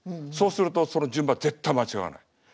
そうするとその順番絶対間違わない。